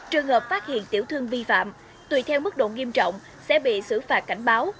trường hợp phát hiện tiểu thương vi phạm tùy theo mức độ nghiêm trọng sẽ bị xử phạt cảnh báo